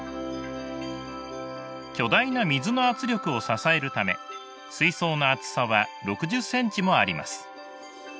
巨大な水の圧力を支えるため水槽の厚さは６０ｃｍもあります。